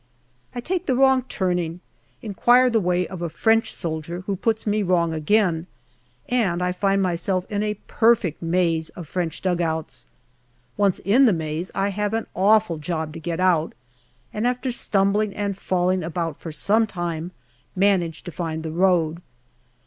I take the wrong turning, inquire the way of a French soldier, who puts me wrong again, and I find myself in a perfect maze of French dugouts. Once in the maze, I have an awful job to get out, and after stumbling and falling about for some time, manage to find the road.